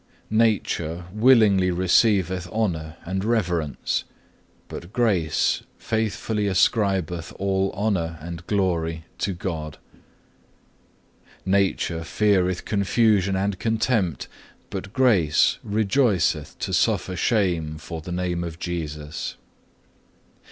5. "Nature willingly receiveth honour and reverence; but Grace faithfully ascribeth all honour and glory to God. 6. "Nature feareth confusion and contempt, but Grace rejoiceth to suffer shame for the name of Jesus.